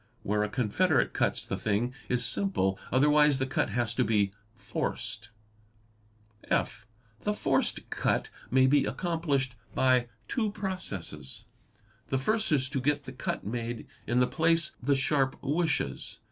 Where a confederate cuts the thing is simple, otherwise the cut has to be 'forced "'. (f) The forced cut may be accomplished by two processes. The first is to get the cut made in the place the sharp wishes.